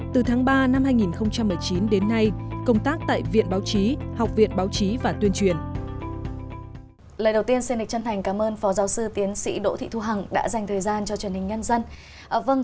từ tháng ba năm hai nghìn một mươi chín đến nay công tác tại viện báo chí học viện báo chí và tuyên truyền